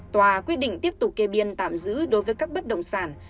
tòa quyết định tiếp tục kê biên tạm giữ đối với các bất động sản